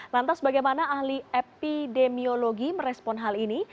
lantas bagaimana ahli epidemiologi merespon hal ini